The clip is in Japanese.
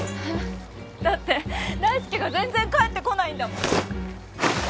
だって大介が全然帰ってこないんだもん。